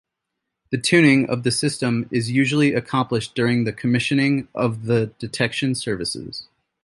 The tuning of the system is usually accomplished during commissioning of the detection devices.